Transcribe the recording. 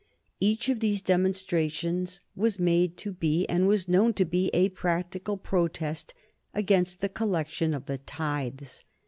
Each of these demonstrations was made to be, and was known to be, a practical protest against the collection of the tithes.